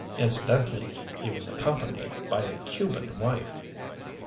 Incidentally, he was accompanied by a Cuban wife.